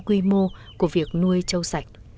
quy mô của việc nuôi trâu sạch